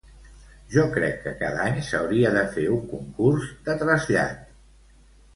Jo crec que cada any s'hauria de fer un concurs de trasllat.